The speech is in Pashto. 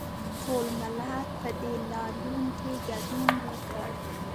ټول ملت په دې لاریون کې ګډون وکړ